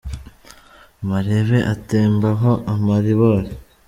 Marebe atembaho amaribori